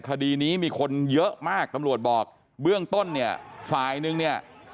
คดีนี้มีคนเยอะมากตำรวจบอกเบื้องต้นเนี่ยฝ่ายนึงเนี่ย